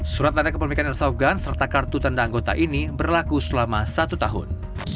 surat tanda kepemilikan airsof gun serta kartu tanda anggota ini berlaku selama satu tahun